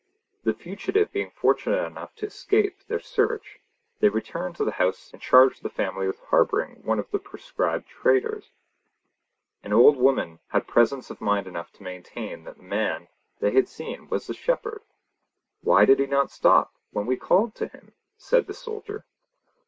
The fugitive being fortunate enough to escape their search, they returned to the house and charged the family with harbouring one of the proscribed traitors. An old woman had presence of mind enough to maintain that the man they had seen was the shepherd. 'Why did he not stop when we called to him?' said the soldier.